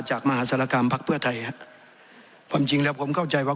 มหาศาลกรรมพักเพื่อไทยฮะความจริงแล้วผมเข้าใจว่า